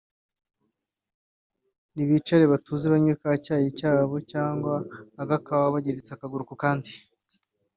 nibicare batuze banywe ka cyayi cyabo cyangwa agakawa bageretse akaguru ku kandi